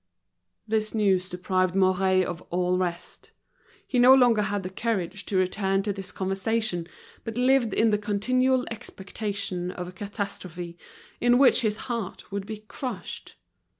This news deprived Mouret of all rest. He no longer had the courage to return to this conversation, but lived in the continual expectation of a catastrophe, in which his heart would be crushed.